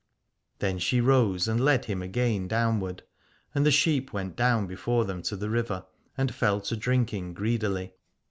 Then she rose and led him again down ward : and the sheep went down before them to the river, and fell to drinking greedily.